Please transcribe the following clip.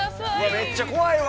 ◆めっちゃ怖いわ。